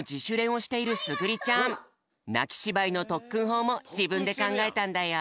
なきしばいのとっくんほうもじぶんでかんがえたんだよ。